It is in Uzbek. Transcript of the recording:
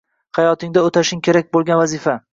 Hayotingda o'tashing kerak bo'lgan vazifa